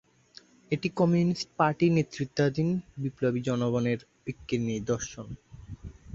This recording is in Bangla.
এটি কমিউনিস্ট পার্টির নেতৃত্বাধীন বিপ্লবী জনগণের ঐক্যের নিদর্শন।